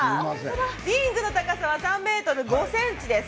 リングの高さは３ｍ５ｃｍです。